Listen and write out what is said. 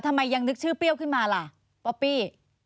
ยังนึกชื่อเปรี้ยวขึ้นมาล่ะป๊อปปี้